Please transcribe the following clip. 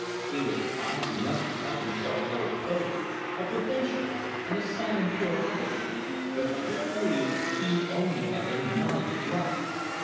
He was wise enough to count himself an old fogy, a provincial, and "a simon pure habitant," but of the three he only had any knowledge of life.